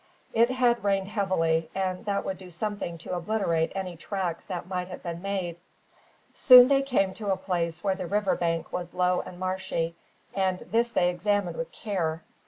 It had rained heavily, and that would do something to obliterate any tracks that might have been made. Soon they came to a place where the river bank was low and marshy, and this they examined with care.